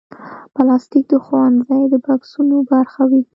پلاستيک د ښوونځي د بکسونو برخه وي.